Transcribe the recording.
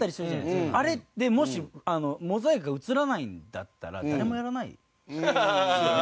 あれでもしモザイクが映らないんだったら誰もやらないですよね？